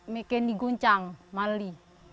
mekeni guncang mali